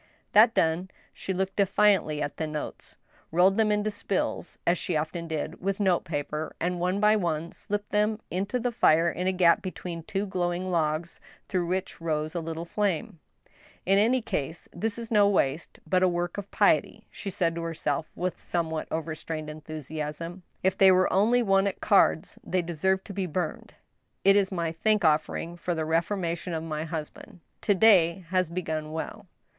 That done, she looked defiantly at the notes, rolled them into spills, as she often did with note paper, and one by one slipped them into the fire in a gap between two glowing log^ through which rose a little flame. '' In any case, this is no waste^ but a work of piety," she said to herself, Svith somewhat overstrained enthusiasm. " If they were only won at cards, they deserve to be burned. It is my thank offer ing for the reformation of my husband. To day has begun well."